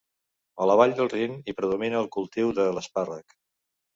A la vall del Rin hi predomina el cultiu de l'espàrrec.